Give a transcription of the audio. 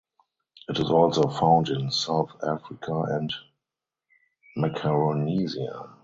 It is also found in South Africa and Macaronesia.